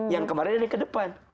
yang kemarin dan yang kedepan